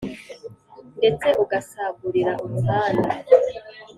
ndetse ugasagurira umuhanda,